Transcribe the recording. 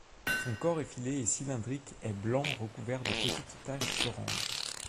Son corps effilé et cylindrique est blanc recouvert de petites taches orange.